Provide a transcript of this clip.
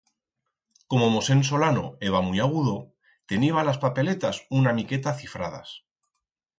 Como Mosen Solano eba muit agudo, teniba las papeletas una miqueta cifradas.